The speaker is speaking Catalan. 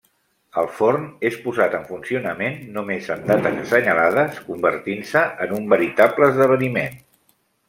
El forn és posat en funcionament només en dates assenyalades, convertint-se en un veritable esdeveniment.